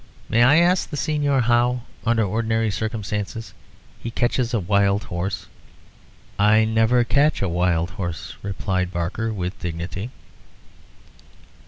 "May I ask the Señor how, under ordinary circumstances, he catches a wild horse?" "I never catch a wild horse," replied Barker, with dignity.